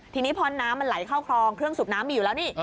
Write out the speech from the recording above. ทีนี้พอน้ำมันไหลเข้าคลองเครื่องสูบน้ำมีอยู่แล้วนี่